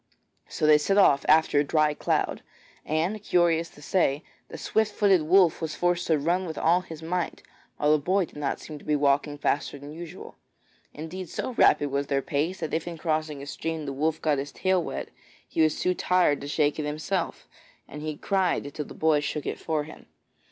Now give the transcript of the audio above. So they set off after Dry cloud, and curious to say, the swift footed wolf was forced to run with all his might, while the boy did not seem to himself to be walking faster than usual. Indeed, so rapid was their pace that if in crossing a stream the wolf got his tail wet, he was too tired to shake it himself, and he cried till the boy shook it for him.